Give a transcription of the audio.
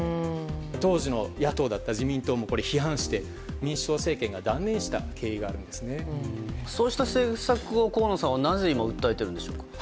当時の野党だった自民党もこれを批判して民主党政権が断念したそうした政策を河野さんはなぜ今訴えているんでしょうか。